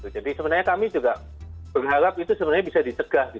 jadi sebenarnya kami juga berharap itu bisa disegah